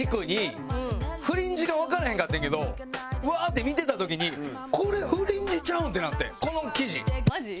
「フリンジ」がわかれへんかってんけどうわーって見てた時にこれ「フリンジ」ちゃうん？ってなってんこの生地。